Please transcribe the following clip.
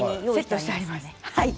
セットしています。